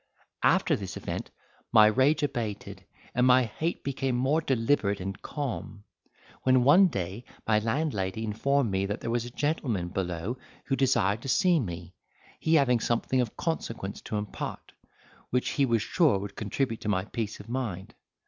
'After this event my rage abated, and my hate became more deliberate and calm: when one day my landlady informed me that there was a gentleman below who desired to see me, he having something of consequence to impart, which he was sure would contribute to my peace of mind.